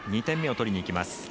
２点目を取りにいきます。